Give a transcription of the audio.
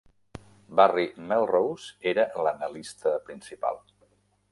Barry Melrose era l'analista principal.